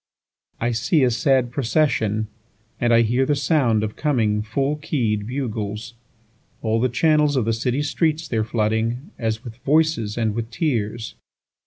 3I see a sad procession, And I hear the sound of coming full key'd bugles; All the channels of the city streets they're flooding, As with voices and with tears.